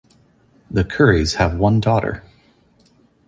The Currys have one daughter.